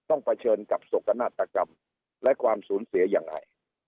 เผชิญกับโศกนาฏกรรมและความสูญเสียยังไง